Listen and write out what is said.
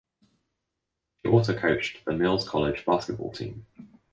She also coached the Mills College basketball team.